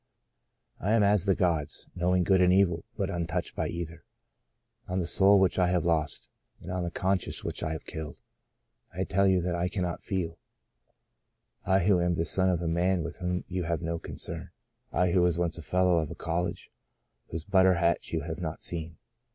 ... I am as the gods, knowing good and evil, but untouched by either. On the soul which I have lost, and on the conscience which I have killed, I tell you that I cantiot feel — I who am the son of a man with whom you 138 The Blossoming Desert have no concern — I who was once fellow of a college, whose butter hatch you have not seen.'